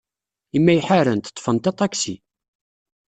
Imi ay ḥarent, ḍḍfent aṭaksi.